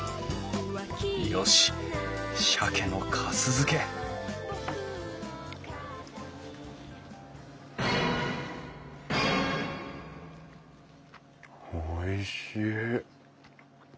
よし鮭のかす漬けおいしい。